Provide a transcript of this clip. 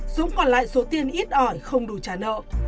dũng còn lại số tiền ít ỏi không đủ trả nợ